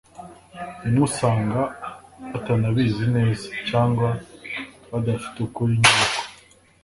rimwe usanga batanabizi neza cyangwa badafite ukuri nyako